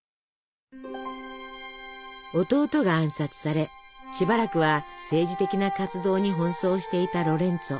弟が暗殺されしばらくは政治的な活動に奔走していたロレンツォ。